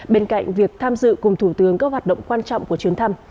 bên cạnh việc tham dự cùng thủ tướng các hoạt động quan trọng của chuyến thăm